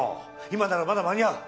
今ならまだ間に合う！